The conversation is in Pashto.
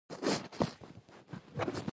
قطر د زده کړې او سپورټ دواړو ملاتړ کوي.